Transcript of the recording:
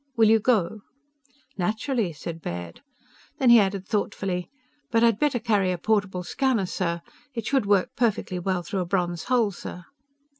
Will you go?" "Naturally!" said Baird. Then he added thoughtfully: "But I'd better carry a portable scanner, sir. It should work perfectly well through a bronze hull, sir."